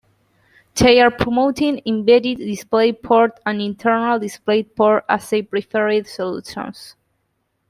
They are promoting Embedded DisplayPort and Internal DisplayPort as their preferred solution.